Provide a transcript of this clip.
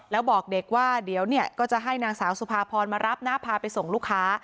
แล้วบอกเด็กว่าเดี๋ยวเนี่ยก็จะให้นางสาวสุภาพรมารับนะพาไปส่งลูกค้า